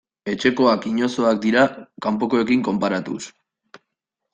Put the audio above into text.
Etxekoak inozoak dira kanpokoekin konparatuz.